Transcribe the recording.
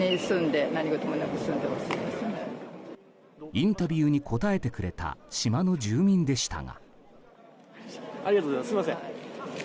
インタビューに答えてくれた島の住民でしたが。